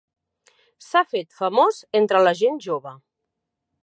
S'ha fet famós entre la gent jove.